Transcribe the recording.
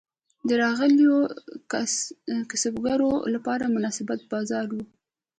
د راغلیو کسبګرو لپاره مناسب بازار و.